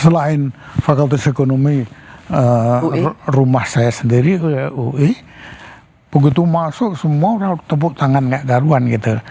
selain fakultas ekonomi rumah saya sendiri ui begitu masuk semua udah tepuk tangan kayak daruan gitu